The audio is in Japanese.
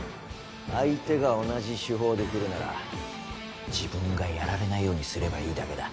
相手が同じ手法でくるなら自分がやられないようにすればいいだけだ。